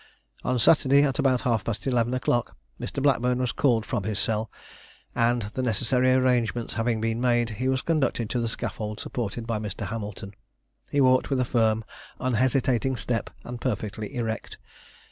On Saturday, at about half past eleven o'clock, Mr. Blackburn was called from his cell, and, the necessary arrangements having been made, he was conducted to the scaffold supported by Mr. Hamilton. He walked with a firm, unhesitating step, and perfectly erect.